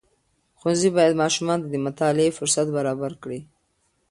ښوونځي باید ماشومانو ته د مطالعې فرصت برابر کړي.